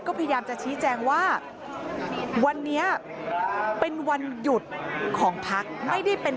ก็พยายามจะชี้แจงว่าวันนี้เป็นวันหยุดของพักไม่ได้เป็น